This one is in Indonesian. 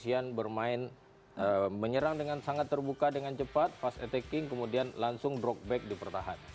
jadi mereka bermain menyerang dengan sangat terbuka dengan cepat fast attacking kemudian langsung drop back di pertahanan